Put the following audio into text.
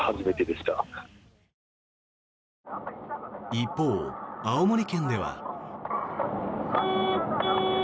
一方、青森県では。